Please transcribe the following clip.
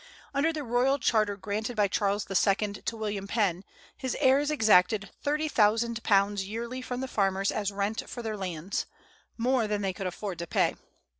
Under the royal charter granted by Charles II. to William Penn, his heirs exacted £30,000 yearly from the farmers as rent for their lands, more than they could afford to pay.